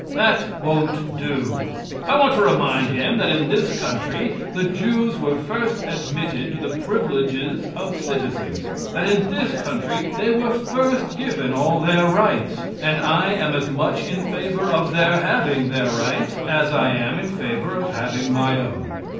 That won't do. I want to remind him that in this country the Jews were first admitted to the privileges of citizens; that in this country they were first given all their rights, and I am as much in favor of their having their rights as I am in favor of having my own.